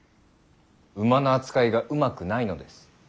馬の扱いがうまくないのです。